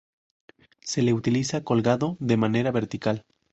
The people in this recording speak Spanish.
Se le utiliza colgado de manera vertical.